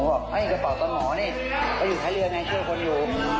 ผมก็บอกเอ้ยกระเป๋าตัวหมอเนี่ยตรงท้ายเรือไงเชื่อคนอยู่